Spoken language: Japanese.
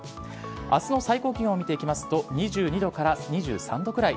あすの最高気温を見ていきますと、２２度から２３度くらい。